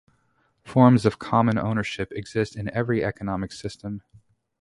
Forms of common ownership exist in every economic system.